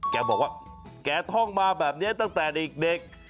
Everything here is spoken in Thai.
แกบอกว่าแกท่องมาแบบนี้ตั้งแต่เด็ก